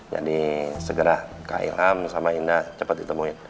jadi segera kak ilham sama indah cepat ditemui